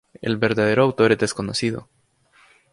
El verdadero autor es desconocido.